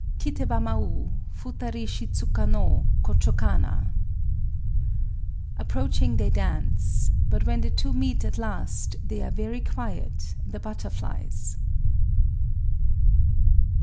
_] Kité wa maü, Futari shidzuka no Kochō kana! [_Approaching they dance; but when the two meet at last they are very quiet, the butterflies!